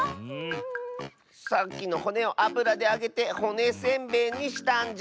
さっきのほねをあぶらであげてほねせんべいにしたんじゃ。